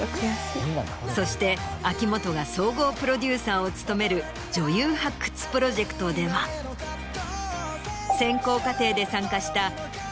そして秋元が総合プロデューサーを務める女優発掘プロジェクトでは選考過程で参加した。